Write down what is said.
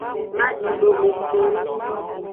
Madidome keng.